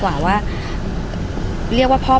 ภาษาสนิทยาลัยสุดท้าย